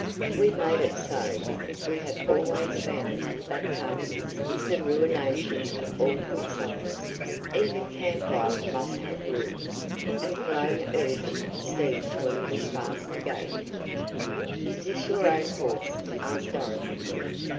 We made it so because we have always found that tardiness is the ruination of all good summers; even camp life must have rules," and Cologne urged the steed to a little faster gait. "Is this your own horse?" asked Dorothy.